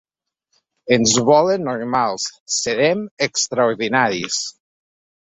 Ens volen normals, serem extraordinaris.